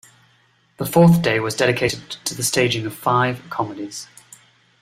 The fourth day was dedicated to the staging of five comedies.